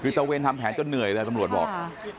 กิริเตอร์เวนทำแผนจนเหนื่อยเลยสมรวจบอก